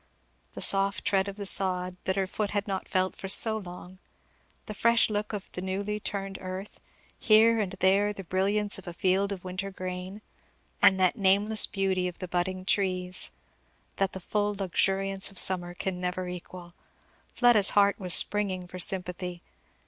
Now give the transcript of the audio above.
The soft tread of the sod, that her foot had not felt for so long, the fresh look of the newly turned earth, here and there the brilliance of a field of winter grain, and that nameless beauty of the budding trees, that the full luxuriance of summer can never equal, Fleda's heart was springing for sympathy.